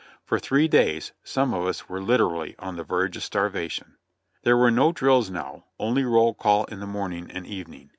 For three days some of us were literally on the verge of starvation. There were no drills now; only roll call in the morning and evening.